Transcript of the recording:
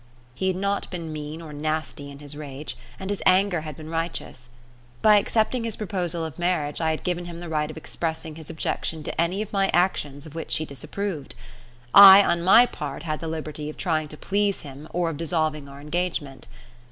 He had not been mean or nasty in his rage, and his anger had been righteous. By accepting his proposal of marriage, I had given him the right of expressing his objection to any of my actions of which he disapproved. I on my part had the liberty of trying to please him or of dissolving our engagement.